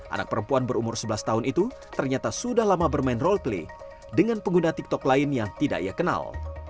anak perempuan berumur sebelas tahun itu ternyata sudah lama bermain roll play dengan pengguna tiktok lain yang tidak ia kenal